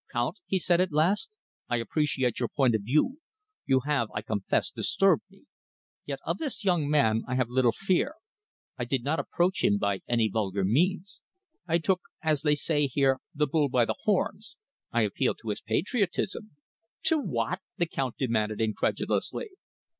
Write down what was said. "Count," he said at last, "I appreciate your point of view. You have, I confess, disturbed me. Yet of this young man I have little fear. I did not approach him by any vulgar means. I took, as they say here, the bull by the horns. I appealed to his patriotism." "To what?" the Count demanded incredulously.